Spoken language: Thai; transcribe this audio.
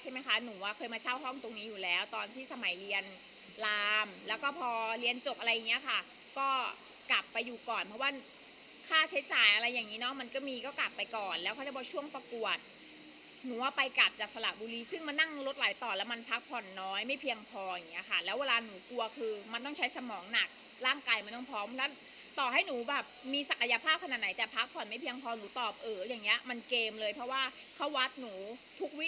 ใช่ไหมคะหนูว่าเคยมาเช่าห้องตรงนี้อยู่แล้วตอนที่สมัยเรียนรามแล้วก็พอเรียนจบอะไรอย่างเงี้ยค่ะก็กลับไปอยู่ก่อนเพราะว่าค่าใช้จ่ายอะไรอย่างนี้เนาะมันก็มีก็กลับไปก่อนแล้วเขาเรียกว่าช่วงประกวดหนูว่าไปกับจัดสละบุรีซึ่งมันนั่งรถหลายต่อแล้วมันพักผ่อนน้อยไม่เพียงพออย่างเงี้ยค่ะแล้วเวลาหนูก